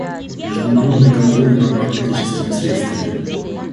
Международный контроль над наркотическими средствами.